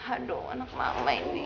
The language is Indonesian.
aduh anak mama ini